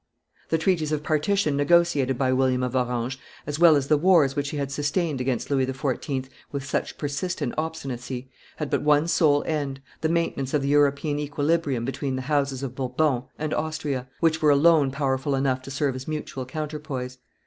The treaties of partition negotiated by William of Orange, as well as the wars which he had sustained against Louis XIV. with such persistent obstinacy, had but one sole end, the maintenance of the European equilibrium between the houses of Bourbon and Austria, which were alone powerful enough to serve as mutual counterpoise.